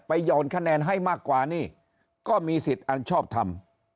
หย่อนคะแนนให้มากกว่านี่ก็มีสิทธิ์อันชอบทำ